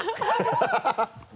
ハハハ